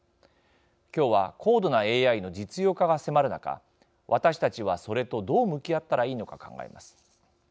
今日は高度なＡＩの実用化が迫る中私たちはそれとどう向き合ったらいいのか考えます。